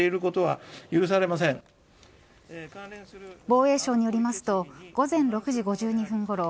防衛省によりますと午前６時５２分ごろ